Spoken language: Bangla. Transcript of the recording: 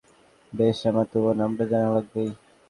বেশ, আমার তবুও নামটা জানা লাগবেই।